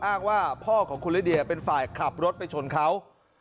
อ้างว่าพ่อของคุณลิเดียเป็นฝ่ายขับรถไปชนเขา